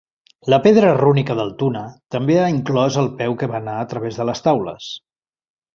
La pedra rúnica d'Altuna també ha inclòs el peu que va anar a través de les taules.